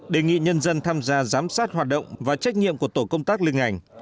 đề nghị nhân dân tham gia giám sát hoạt động và trách nhiệm của tổ công tác liên ngành